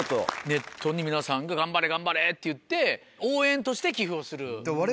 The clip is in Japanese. ネットに皆さんが「頑張れ頑張れ」っていって応援として寄付をする。